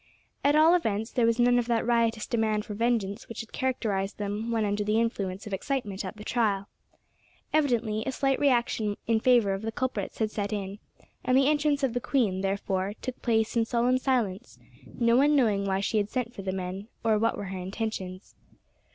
At all events, there was none of that riotous demand for vengeance which had characterised them when under the influence of excitement at the trial. Evidently a slight reaction in favour of the culprits had set in, and the entrance of the queen, therefore, took place in solemn silence, no one knowing why she had sent for the men or what were her intentions.